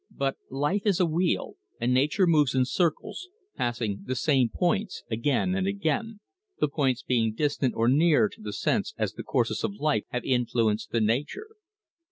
But life is a wheel, and natures move in circles, passing the same points again and again, the points being distant or near to the sense as the courses of life have influenced the nature.